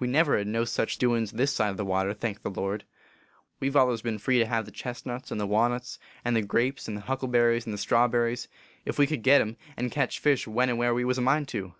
We never hed no sech doin s this side of the water, thank the Lord ! We ve allers been free to have the chesnuts and the wannuts and the grapes and the huckleberries and the strawberries, ef we could git em, and ketch fish when and where we was a mind to.